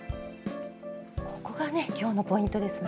ここがね今日のポイントですね。